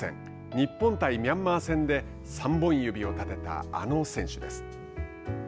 日本対ミャンマー戦で３本指を立てたあの選手です。